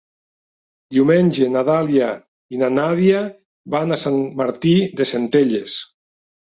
Diumenge na Dàlia i na Nàdia van a Sant Martí de Centelles.